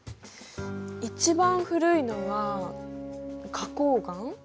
一番古いのは花こう岩？